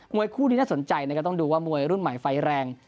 วยคู่นี้น่าสนใจนะครับต้องดูว่ามวยรุ่นใหม่ไฟแรง